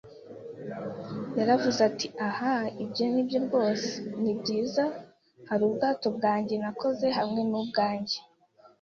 Yaravuze ati: “Ah, ibyo ni byo rwose. Nibyiza, hari ubwato bwanjye, nakoze hamwe nubwanjye